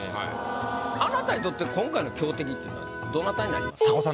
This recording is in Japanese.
あなたにとって今回の強敵っていうのはどなたになります？